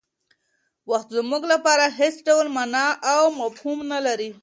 وخت زموږ لپاره هېڅ ډول مانا او مفهوم نه لري.